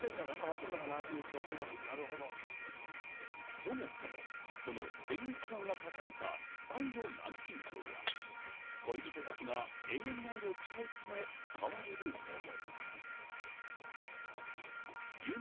そもそも恋愛祈願が書かれた愛の南京錠は、恋人たちが永遠の愛を誓うため使われるもの。